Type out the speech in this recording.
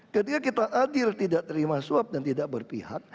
ketika kita adil tidak terima suap dan tidak berpihak